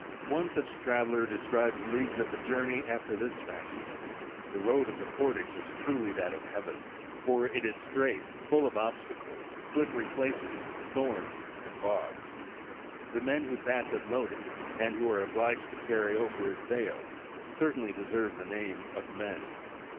One such traveler describes leagues of the journey after this fashion: ''The road of the portage is truly that of heaven, for it is straight, full of obstacles, slip pery places, thorns and bogs. The men who pass it loaded, and who are obliged to carry over it bales, cer tainly deserve the name of men.